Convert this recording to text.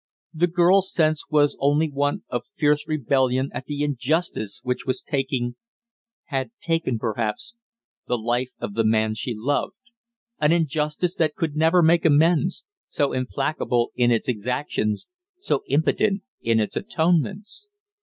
The girl's sense was only one of fierce rebellion at the injustice which was taking had taken, perhaps, the life of the man she loved; an injustice that could never make amends so implacable in its exactions, so impotent in its atonements!